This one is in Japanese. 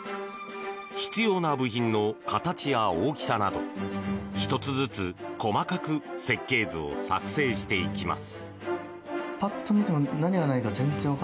必要な部品の形や大きさなど１つずつ細かく設計図を作成していきます。